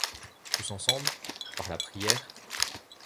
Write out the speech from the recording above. Tous ensemble, par la prière